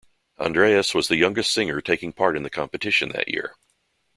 Andreas was the youngest singer taking part in the competition that year.